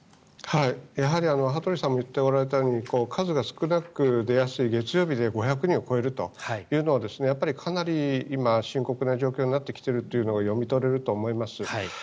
やはり羽鳥さんも言っておられたように数が少なく出やすい月曜日で５００人を超えるというのはかなり今、深刻な状況になってきているというのが読み取れると思います。